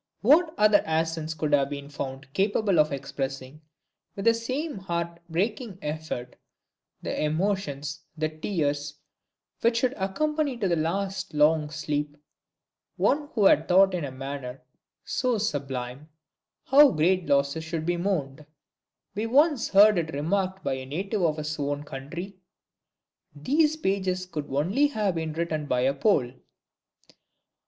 What other accents could have been found capable of expressing, with the same heart breaking effect, the emotions, the tears, which should accompany to the last long sleep, one who had taught in a manner so sublime, how great losses should be mourned? We once heard it remarked by a native of his own country: "these pages could only have been written by a Pole."